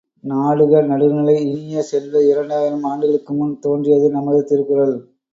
நாடுக நடுநிலை இனிய செல்வ, இரண்டாயிரம் ஆண்டுகளுக்கு முன் தோன்றியது நமது திருக்குறள்.